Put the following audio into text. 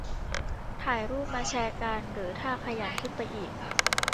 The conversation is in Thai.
ถ่ายรูปมาแชร์กัน - หรือถ้าขยันขึ้นไปอีก